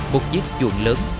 một chiếc chuồng lớn